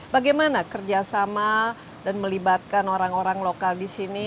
bagaimana kerjasama dan melibatkan orang orang lokal di sini